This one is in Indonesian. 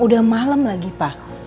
udah malem lagi pak